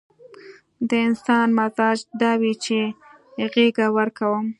د انسان مزاج دا وي چې غېږه ورکوم.